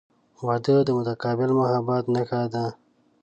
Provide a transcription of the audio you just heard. • واده د متقابل محبت نښه ده.